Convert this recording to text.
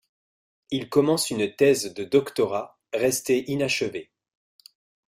Il commence une thèse de doctorat, restée inachevée.